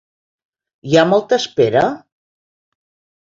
Hi ha molta espera?